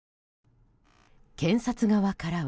検察側からは。